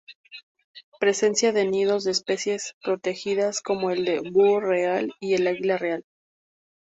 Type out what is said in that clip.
Presencia de nidos de especies protegidas, como el búho real y el águila real.